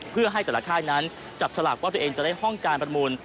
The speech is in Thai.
เพื่อให้แต่ละค่ายนั้นจับฉลากว่าตัวเองจะได้ห้องการประมูล